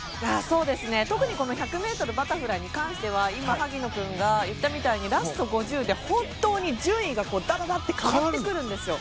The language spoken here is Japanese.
特に１００ｍバタフライに関しては今、萩野君が言ったみたいに本当に順位が、ダダダって変わってくるんですよ。